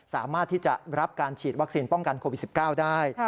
สามารถที่จะรับการฉีดวัคซีนป้องกันโควิด๑๙ได้